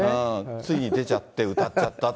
ついに出ちゃって、歌っちゃったと。